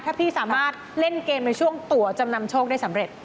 ถ้าพี่สามารถเล่นเกมในช่วงตัวจำนำโชคได้สำเร็จ